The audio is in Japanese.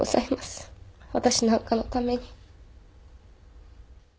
私なんかのために。